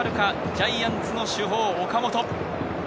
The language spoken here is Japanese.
ジャイアンツの主砲・岡本。